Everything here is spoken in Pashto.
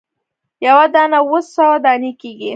یوه دانه اووه سوه دانې کیږي.